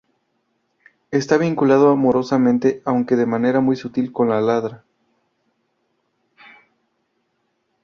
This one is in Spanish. Está vinculado amorosamente, aunque de manera muy sutil, con la dra.